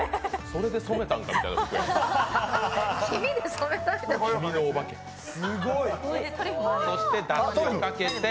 それで染めたんかみたいな色してるで。